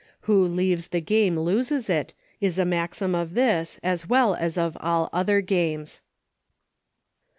Who leaves the game loses it, is a maxim of this as of all other games.